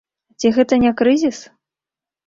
Ці гэта не крызіс?